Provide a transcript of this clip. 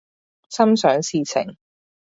心想事成